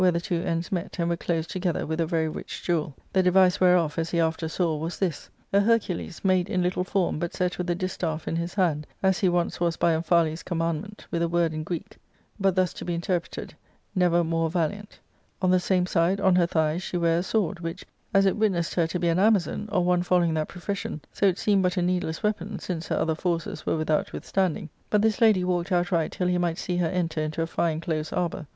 ^ y nX the two ends met, and were closed together with a v^rj rich jewel, the device whereof, as he after saw, was this : a ^, Hercules, madejn Jittle form, but set with a distaff in his hand, as h¥ "once was by Omphale^s commandment, with a word in Greek, but thus to be interpreted, "Never more valiant" On the same side, on her thigh, she ware a sword, which, as it witnessed her to be an Amazon, or one following that profession, so it seemed but a iieedless weapon, since her other forces were without withstanding. But this lady walked outright till he might see her enter into a fine close arbour.